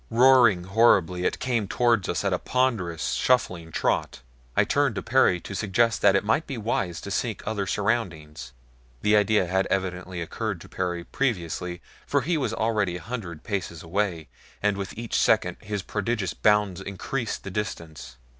Roaring horribly it came toward us at a ponderous, shuffling trot. I turned to Perry to suggest that it might be wise to seek other surroundings the idea had evidently occurred to Perry previously, for he was already a hundred paces away, and with each second his prodigious bounds increased the distance.